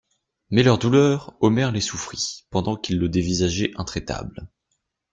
Mais leurs douleurs, Omer les souffrit, pendant qu'ils le dévisageaient, intraitables.